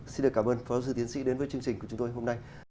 xin được cảm ơn phó sư tiến sĩ đến với chương trình của chúng tôi hôm nay